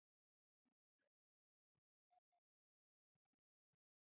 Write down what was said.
د کلیزو منظره د افغانانو د ګټورتیا برخه ده.